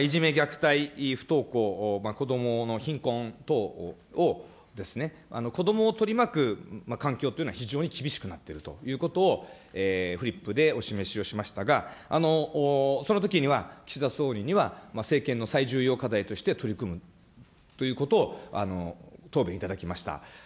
いじめ、虐待、不登校、子どもの貧困等をですね、子どもを取り巻く環境というのは非常に厳しくなっているということをフリップでお示しをしましたが、そのときには岸田総理には政権の最重要課題として取り組むということを答弁いただきました。